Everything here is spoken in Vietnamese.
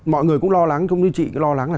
mọi người cũng lo lắng cũng như chị lo lắng là